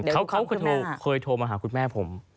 เขาเคยโทรมาหาคุณแม่ผม